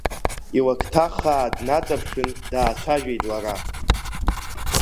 Илакҭа хаа дныҵаԥшын, даацәажәеит лара…